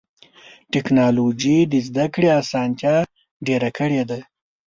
ټکنالوجي د زدهکړې اسانتیا ډېره کړې ده.